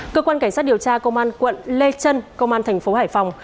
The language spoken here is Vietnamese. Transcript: cơ quan cảnh sát điều tra công an quận lê trân công an thành phố hải phòng